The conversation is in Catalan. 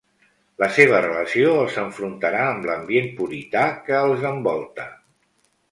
La seva relació els enfrontarà amb l'ambient purità que els envolta.